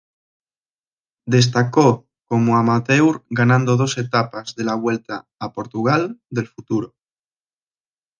Destacó como amateur ganando dos etapas de la Vuelta a Portugal del Futuro.